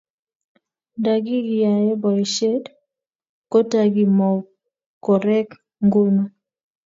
Ndakigiyae boishet kotagimokoreek nguno